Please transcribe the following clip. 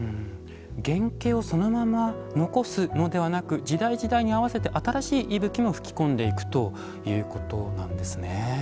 原形をそのまま残すのではなく時代、時代に合わせて新しい息吹も吹き込んでいくということなんですね。